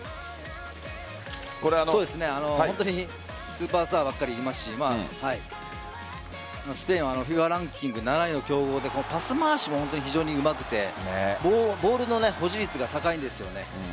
スーパースターばかりいますしスペインはＦＩＦＡランキング７位の強豪でパス回しも非常にうまくてボールの保持率が高いんです。